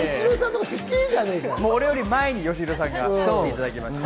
俺より前によしひろさんが来ていただきました。